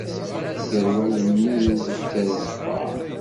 Gar wallen-iw yekker uɣebbaṛ.